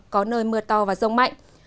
có nơi mưa to và rông mạnh